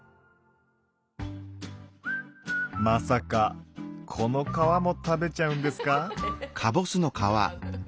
まさかこの皮も食べちゃうんですか？